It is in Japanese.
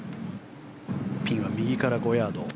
ピンは右から５ヤード。